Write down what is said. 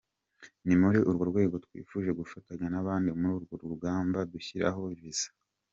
Ni muri urwo rwego twifuje gufatanya n’abandi muri urwo rugamba, dushyiraho mVisa.